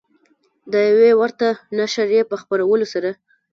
د یوې ورته نشریې په خپرولو سره